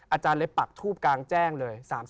อาจารย์เลยปักทูบกลางแจ้งเลย